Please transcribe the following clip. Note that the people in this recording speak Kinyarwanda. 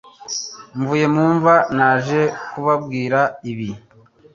Mvuye mu mva naje kubabwira ibi -